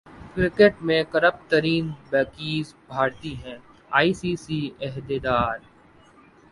cricket میں corrupt ترین bookies بھارتی ہیں ائی سی سی عہدیدار